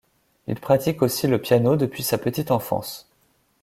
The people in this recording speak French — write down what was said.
Il pratique aussi le piano depuis sa petite enfance.